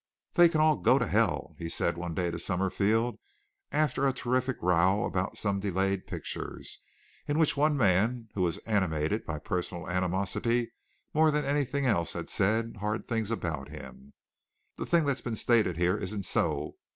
"They can all go to hell!" he said one day to Summerfield, after a terrific row about some delayed pictures, in which one man who was animated by personal animosity more than anything else had said hard things about him. "The thing that's been stated here isn't so.